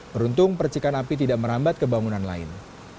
beruntung percikan api tidak merambat ke bangunan lain